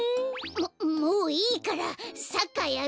ももういいからサッカーやろうよ！